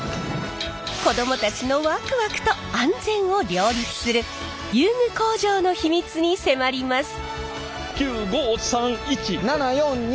子どもたちのワクワクと安全を両立する遊具工場の秘密に迫ります！